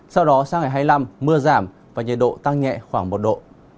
sau đó sang ngày hai mươi năm mưa giảm và nhiệt độ tăng nhẹ khoảng một độ